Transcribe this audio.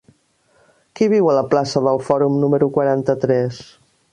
Qui viu a la plaça del Fòrum número quaranta-tres?